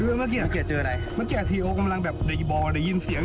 เมื่อกี้เจออะไรเมื่อกี้อาทิตย์กำลังแบบได้ยินเสียง